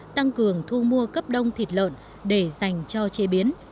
tăng cường thu mua cấp đông thịt lợn để dành cho chế biến